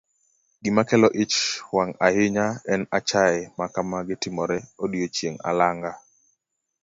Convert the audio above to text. Gima kelo ich wang' ahinya en achaye ma kamagi timore odichieng' alanga.